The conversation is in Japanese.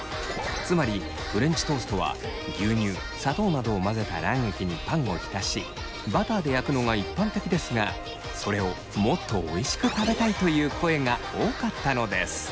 つまりフレンチトーストは牛乳砂糖などを混ぜた卵液にパンを浸しバターで焼くのが一般的ですがそれをもっとおいしく食べたいという声が多かったのです。